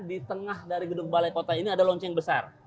di tengah dari gedung balai kota ini ada lonceng besar